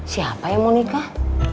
siapa yang mau nikah